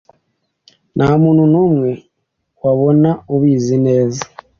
Ntamuntu numwe wabona ubizi neza